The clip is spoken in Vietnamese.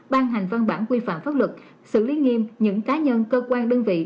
ban hành văn bản quy phạm pháp luật xử lý nghiêm những cá nhân cơ quan đơn vị